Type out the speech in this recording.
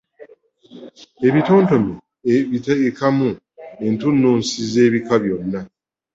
Ebitontome abiteekamu entunnunsi ez’ebika byonna.